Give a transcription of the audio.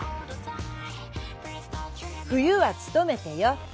冬はつとめてよ。